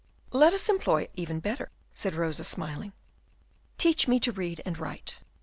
"Let us employ it even better," said Rosa, smiling. "Teach me to read and write.